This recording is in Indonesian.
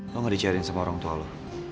lo gak dicairin sama orang tua lo